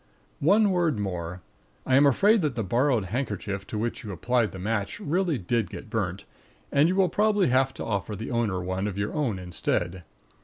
One word more. I am afraid that the borrowed handkerchief to which you applied the match really did get burnt, and you will probably have to offer the owner one of your own instead.